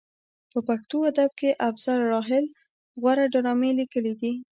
په پښتو ادب کې افضل راحل غوره ډرامې لیکلې دي.